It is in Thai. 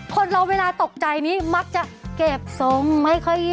คนเราเวลาตกใจนี้มักจะเก็บทรงไม่ค่อย